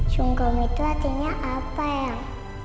sungkem itu artinya apa eyang